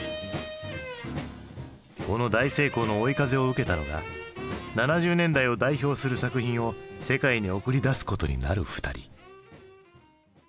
この大成功の追い風を受けたのが７０年代を代表する作品を世界に送り出すことになる２人。